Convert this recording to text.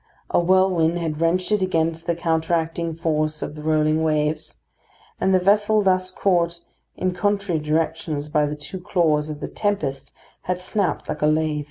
A whirlwind had wrenched it against the counteracting force of the rolling waves, and the vessel thus caught in contrary directions by the two claws of the tempest had snapped like a lath.